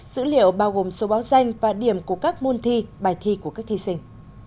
dữ liệu bao gồm số báo danh và điểm của các môn thi bài thi của các thí sinh